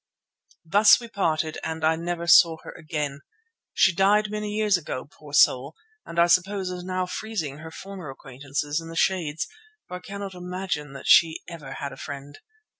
Thus we parted, and I never saw her again. She died many years ago, poor soul, and I suppose is now freezing her former acquaintances in the Shades, for I cannot imagine that she ever had a friend.